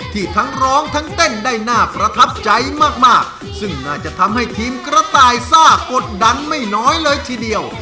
ทั้งร้องทั้งเต้นได้น่าประทับใจมากมากซึ่งน่าจะทำให้ทีมกระต่ายซ่ากดดันไม่น้อยเลยทีเดียว